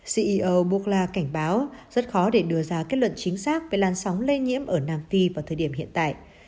ceo burgla cảnh báo rất khó để đưa ra kết luận chính xác về làn sóng lây nhiễm ở nam phi vào thời điểm hiện tại